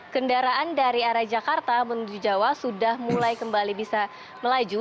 kendaraan dari arah jakarta menuju jawa sudah mulai kembali bisa melaju